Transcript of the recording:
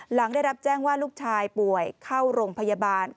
หลังได้รับแจ้งว่าลูกชายป่วยเข้าโรงพยาบาล